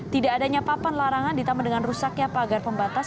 tidak adanya papan larangan ditambah dengan rusaknya pagar pembatas